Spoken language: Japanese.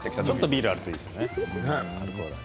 ちょっとビールがあるといいですね。